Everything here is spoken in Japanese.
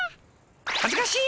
恥ずかしい！